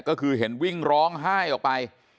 ก็คือเห็นวิ่งร้องไห้ออกไป